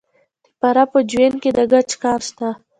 د فراه په جوین کې د ګچ کان شته.